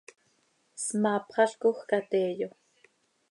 Smaapxalcoj ca teeyo.